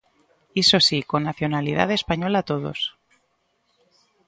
Iso si, con nacionalidade española todos.